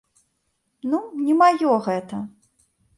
Ну, не маё гэта.